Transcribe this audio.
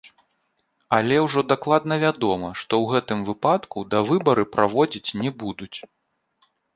Але ўжо дакладна вядома, што ў гэтым выпадку давыбары праводзіць не будуць.